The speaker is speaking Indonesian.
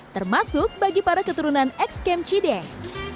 termasuk bagi para keturunan ex camp cideng